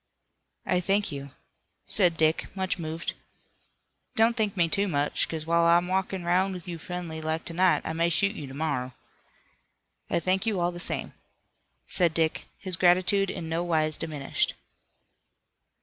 "I thank you," said Dick, much moved. "Don't thank me too much, 'cause while I'm walkin' 'roun' with you friendly like to night I may shoot you to morrow." "I thank you, all the same," said Dick, his gratitude in nowise diminished.